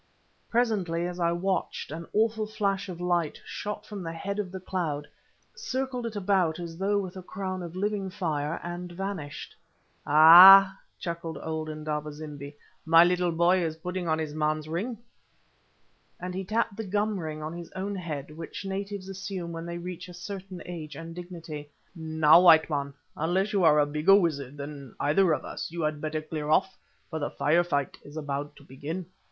Presently, as I watched, an awful flash of light shot from the head of the cloud, circled it about as though with a crown of living fire, and vanished. "Aha," chuckled old Indaba zimbi, "my little boy is putting on his man's ring," and he tapped the gum ring on his own head, which natives assume when they reach a certain age and dignity. "Now, white man, unless you are a bigger wizard than either of us you had better clear off, for the fire fight is about to begin."